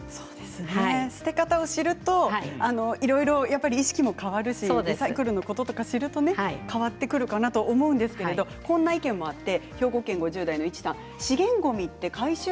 捨て方を知るといろいろと意識も変わるしリサイクルのこととかを知ると変わってくるかなと思うんですけどもこんな意見もあります。